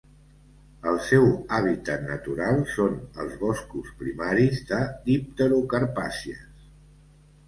El seu hàbitat natural són els boscos primaris de dipterocarpàcies.